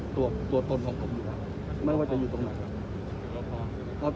ตัวตนของผมอยู่แล้วไม่ว่าจะอยู่ตรงไหนครับ